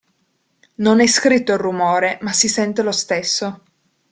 Non è scritto il rumore, ma si sente lo stesso.